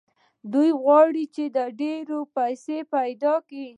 دوی غواړي چې ډېرې پيسې پيدا کړي.